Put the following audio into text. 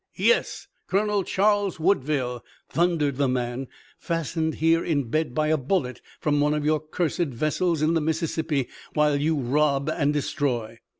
"Yes, Colonel Charles Woodville," thundered the man, "fastened here in bed by a bullet from one of your cursed vessels in the Mississippi, while you rob and destroy!"